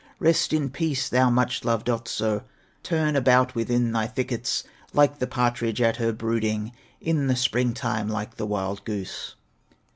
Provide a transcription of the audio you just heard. Rest in peace, thou much loved Otso, Turn about within thy thickets, Like the partridge at her brooding, In the spring time like the wild goose."